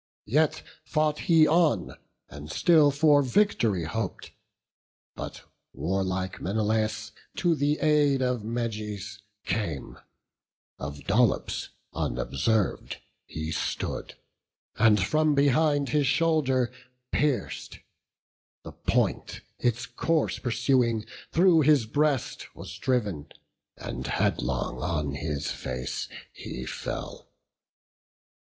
Yet fought he on, and still for vict'ry hop'd; But warlike Menelaus to the aid Of Meges came; of Dolops unobserv'd He stood, and from behind his shoulder pierc'd; The point, its course pursuing, through his breast Was driv'n, and headlong on his face he fell.